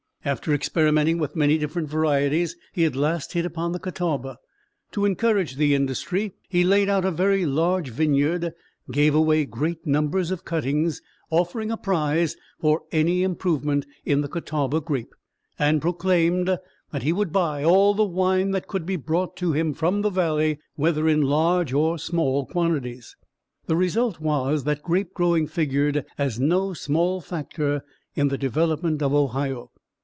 After experimenting with many different varieties, he at last hit upon the Catawba. To encourage the industry he laid out a very large vineyard, gave away great numbers of cuttings, offered a prize for any improvement in the Catawba grape, and proclaimed that he would buy all the wine that could be brought to him from the valley, whether in large or small quantities. The result was that grape growing figured as no small factor in the development of Ohio.